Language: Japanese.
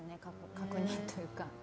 確認というか。